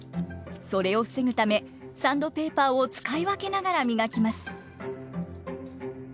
それを防ぐためサンドペーパーを使い分けながら磨きます。